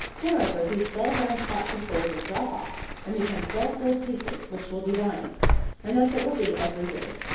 Moreover, these twelve round spots of gold will drop off, and become twelve gold pieces, which will be thine. And thus it will be every day.